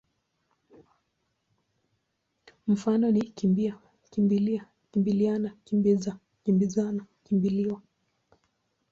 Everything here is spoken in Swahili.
Mifano ni kimbi-a, kimbi-lia, kimbili-ana, kimbi-za, kimbi-zana, kimbi-liwa.